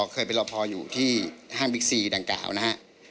เคยเป็นรอพออยู่ที่ห้างบิ๊กซีดังกล่าวนะฮะ